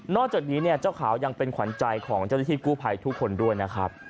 นอกจากนี้เจ้าข่าวยังเป็นขวัญใจของเจ้าสติธิปกู้ภัยทุกคนด้วยนะครับ